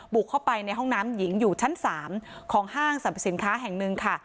บุกเข้าไปในห้องน้ำหญิงอยู่ชั้น๓ของห้างสรรพสินค้าแห่งหนึ่งค่ะ